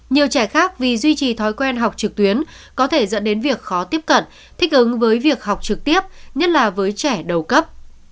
nhiều trẻ khác vì duy trì thói quen học trực tuyến có thể dẫn đến việc khó tiếp cận thích ứng với việc học trực tiếp nhất là với trẻ đầu cấp